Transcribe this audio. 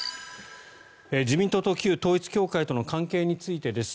自民党と旧統一教会との関係についてです。